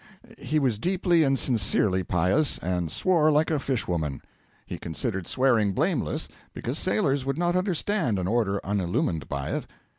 He was deeply and sincerely pious, and swore like a fish woman. He considered swearing blameless, because sailors would not understand an order unillumined by it.